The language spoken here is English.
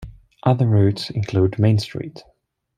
Other routes include Main Street.